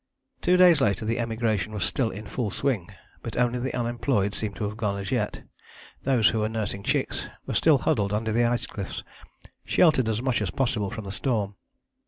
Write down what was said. " Two days later the emigration was still in full swing, but only the unemployed seemed to have gone as yet. Those who were nursing chicks were still huddled under the ice cliffs, sheltered as much as possible from the storm.